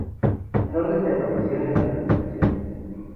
En orden de aparición en las publicaciones.